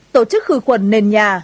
tổ chức khử khuẩn nền nhà